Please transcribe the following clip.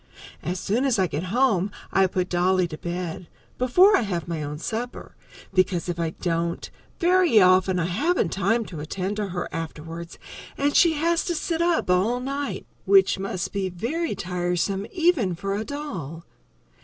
As soon as I get home I put Dolly to bed, before I have my own supper, because if I don't, very often I haven't time to attend to her afterwards and she has to sit up all night, which must be very tiresome even for a doll.